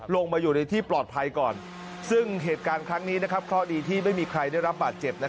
ลงมาอยู่ในที่ปลอดภัยก่อนซึ่งเหตุการณ์ครั้งนี้เคราะห์ดีที่ไม่มีใครได้รับบาดเจ็บ